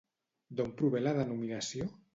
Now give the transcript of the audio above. D'on prové la denominació?